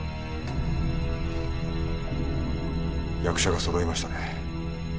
役者がそろいましたね。